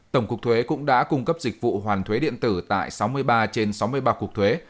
tổng cục thuế cũng đã cung cấp dịch vụ hoàn thuế điện tử tại sáu mươi ba trên sáu mươi ba cuộc thuế